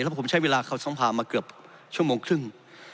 เพราะผมใช้เวลาเข้าสภามาเกือบชั่วโมงครึ่ง